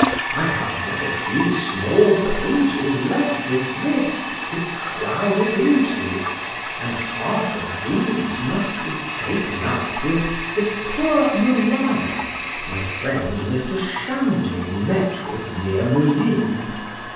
I have but a few small pages left of this to crowd it into,—and half of these must be taken up with the poor Maria my friend, Mr. Shandy, met with near Moulines.